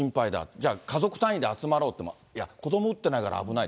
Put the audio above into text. じゃあ、家族単位で集まろうといってもいや、子ども打ってないから危ない。